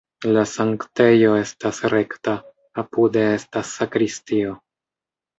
La sanktejo estas rekta, apude estas sakristio.